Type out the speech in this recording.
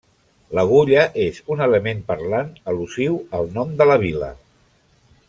L'agulla és un element parlant al·lusiu al nom de la vila.